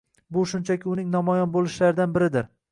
Bu shunchaki uning namoyon bo‘lishlaridan biridir;